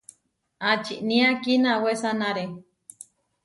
¿Ačinía kinawésanare?